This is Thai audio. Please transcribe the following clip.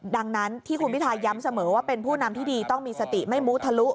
ดังนั้นที่คุณพิทาย้ำเสมอว่าเป็นผู้นำที่ดีต้องมีสติไม่มูทะลุ